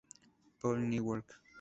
Paul, Newark.